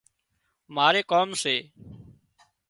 ماري ڪام سي